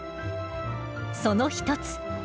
その一つ